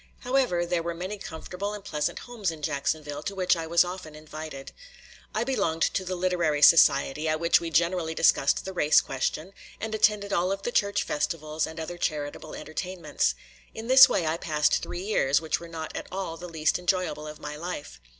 However, there were many comfortable and pleasant homes in Jacksonville to which I was often invited. I belonged to the literary society at which we generally discussed the race question and attended all of the church festivals and other charitable entertainments. In this way I passed three years which were not at all the least enjoyable of my life.